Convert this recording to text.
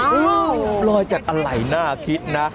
เณรัตรร้อยจากอัลไหลน่าคิดนะ